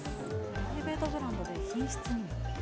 プライベートブランドで品質にも。